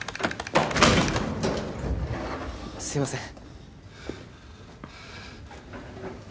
あっすいません。